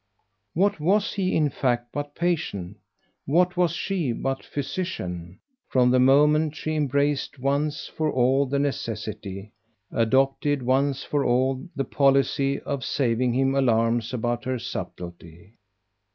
What WAS he in fact but patient, what was she but physician, from the moment she embraced once for all the necessity, adopted once for all the policy, of saving him alarms about her subtlety?